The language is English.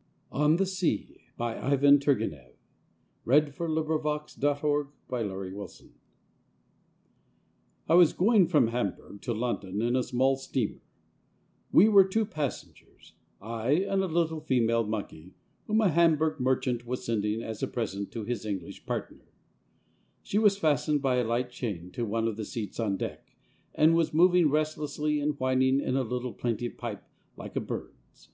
.. dead ...* How fair, how fresh were the roses ...' Sept. 1879. ON THE SEA I WAS going from Hamburg to London in a small steamer. We were two passengers ; I and a little female monkey, whom a Hamburg merchant was sending as a present to his English partner. She was fastened by a light chain to one of the seats on deck, and was moving restlessly and whining in a little plaintive pipe like a bird's.